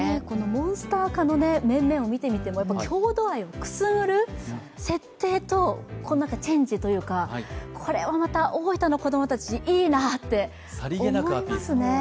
モンスター化の面々を見ても郷土愛をくすぐる設定と、チェンジというか、これはまた大分の子供たち、いいなって思いますね。